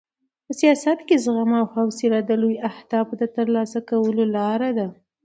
په سیاست کې زغم او حوصله د لویو اهدافو د ترلاسه کولو لار ده.